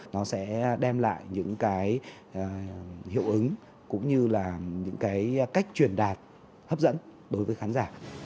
nó sẽ đem lại những cái hiệu ứng cũng như là những cái cách truyền đạt hấp dẫn đối với khán giả